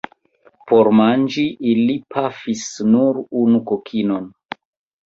Por manĝi ili pafis nur unu kokinon.